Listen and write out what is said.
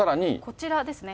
こちらですね。